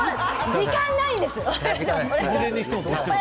時間がないんですよ。